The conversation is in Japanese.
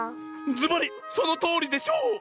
ずばりそのとおりでしょう！